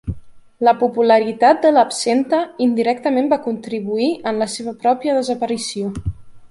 La popularitat de l'absenta indirectament va contribuir en la seva pròpia desaparició.